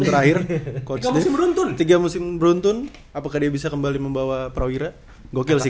terakhir coach jadi beruntun tiga musim beruntun apakah dia bisa kembali membawa prawira gokil sih